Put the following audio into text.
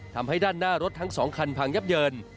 ทำให้ด้านหน้ารถทั้ง๒คันพังยับเยิน